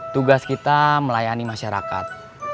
tugas kita melayani masyarakat